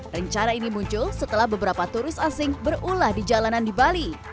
rencana ini muncul setelah beberapa turus asing berulah di jalanan di bali